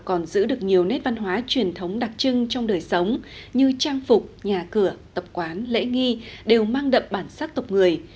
còn giữ được nhiều nét văn hóa truyền thống đặc trưng trong đời sống như trang phục nhà cửa tập quán lễ nghi đều mang đậm bản sắc tộc người